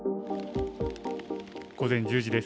午前１０時です。